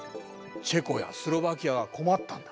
チェコやスロバキアが困ったんだ。